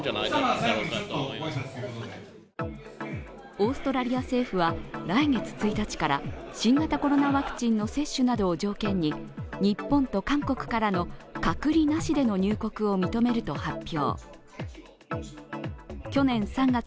オーストラリア政府は来月１日から新型コロナワクチンの接種などを条件に日本と韓国からの隔離なしでの入国を認めると発表。